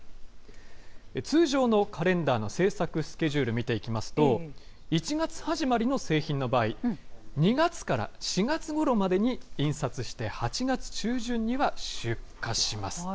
通常のカレンダーの製作スケジュールを見ていきますと、１月始まりの製品の場合、２月から４月ごろまでに印刷して８月中旬には出荷します。